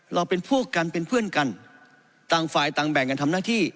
เราเป็นพวกกันเป็นเพื่อนกันต่างฝ่ายต่างแบ่งกันทำหน้าที่